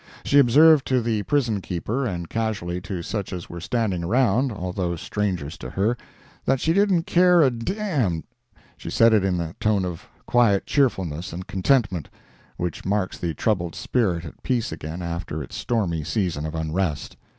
She observed to the prison keeper, and casually to such as were standing around, although strangers to her, that she didn't care a d—n. She said it in that tone of quiet cheerfulness and contentment, which marks the troubled spirit at peace again after its stormy season of unrest.